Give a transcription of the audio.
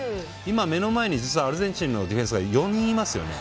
目の前にアルゼンチンのディフェンス４人いますよね。